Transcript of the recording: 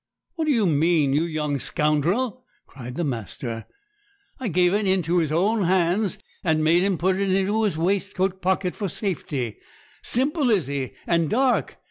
'What do you mean, you young scoundrel?' cried the master. 'I gave it into his own hands, and made him put it into his waistcoat pocket for safety. Simple is he, and dark?